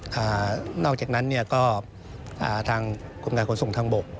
ก็นอกจากนั้นก็ทางกลุ่มการคนส่งทางบก